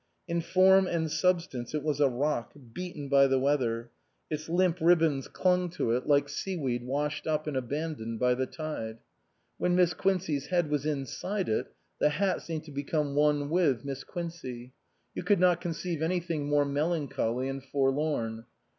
In form and substance it was a rock, beaten by the weather; its limp ribbons clung to it liko T.S.Q. 225 SUPERSEDED seaweed washed up and abandoned by the tide. When Miss Quincey's head was inside it the hat seemed to become one with Miss Quincey ; you could not conceive anything more melan choly and forlorn.